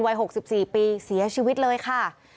วัย๖๔ปีเสียชีวิตเลยค่ะ